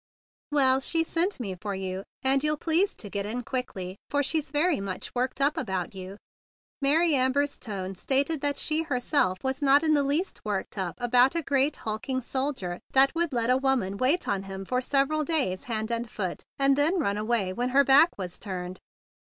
"Well, she sent me for you; and you'll please to get in quickly, for she's very much worked up about you." Mary Amber's tone stated that she herself was not in the least worked up about a great, hulking soldier that would let a woman wait on him for sev¬ eral days hand and foot, and then run away when her back was turned.